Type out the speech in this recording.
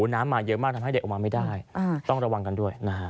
น้ำมาเยอะมากทำให้เด็กออกมาไม่ได้ต้องระวังกันด้วยนะฮะ